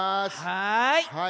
はい。